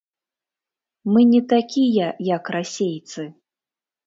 Мы не такія як расейцы!